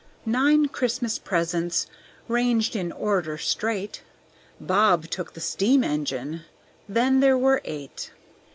Nine Christmas presents ranged in order straight; Bob took the steam engine, then there were eight.